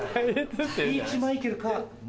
リーチマイケルか。